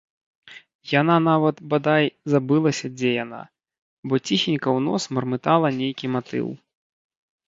Яна нават, бадай, забылася, дзе яна, бо ціхенька ў нос мармытала нейкі матыў.